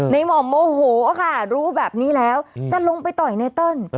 หม่อมโมโหค่ะรู้แบบนี้แล้วจะลงไปต่อยไนเติ้ล